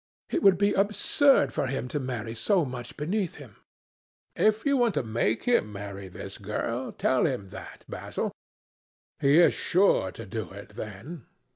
It would be absurd for him to marry so much beneath him." "If you want to make him marry this girl, tell him that, Basil. He is sure to do it, then.